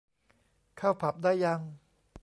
เข้าผับได้ยัง